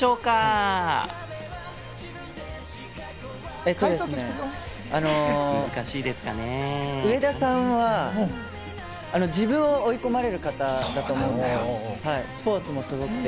えっとですね、あの、上田さんは自分を追い込まれる方だと思うので、スポーツもすごくて。